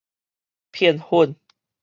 片粉